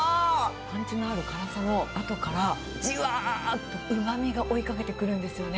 パンチのある辛さのあとから、じわーっとうまみが追いかけてくるんですよね。